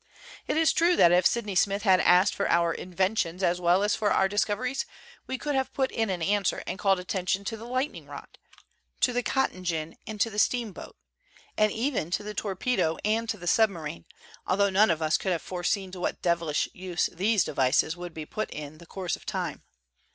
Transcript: It is true that if Sydney Smith had asked for our inventions as well as for our discoveries, we could have put in an answer and called atten tion to the lightning rod, to the cotton gin and to the steam boat, and even to the torpedo and to the submarine, although none of us could have foreseen to what devilish use these devices would be put in the course of time.